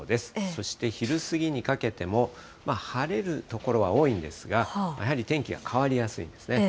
そして昼過ぎにかけても、晴れる所は多いんですが、やはり天気は変わりやすいんですね。